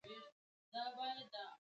د کرنې ریاستونه لارښوونې کوي.